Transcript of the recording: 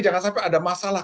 jangan sampai ada masalah